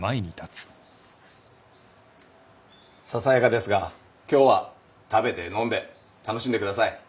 ささやかですが今日は食べて飲んで楽しんでください。